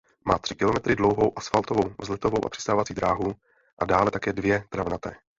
Má tři kilometry dlouhou asfaltovou vzletovou a přistávací dráhu a dále také dvě travnaté.